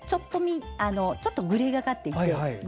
ちょっとブルーがかっていて。